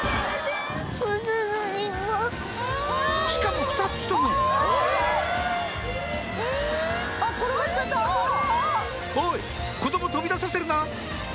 しかも２つともおい子供飛び出させるな！